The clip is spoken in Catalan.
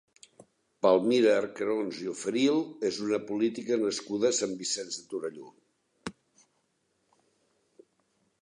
Palmira Arcarons i Oferil és una política nascuda a Sant Vicenç de Torelló.